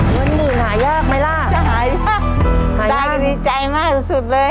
เงินหนึ่งหายากไหมล่ะหายล่ะตายก็ดีใจมากสุดเลย